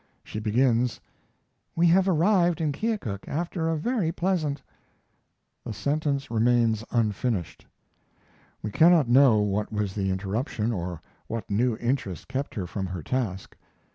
She begins: "We have arrived in Keokuk after a very pleasant " The sentence remains unfinished. We cannot know what was the interruption or what new interest kept her from her task.